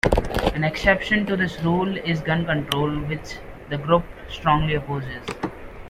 An exception to this rule is gun control, which the group strongly opposes.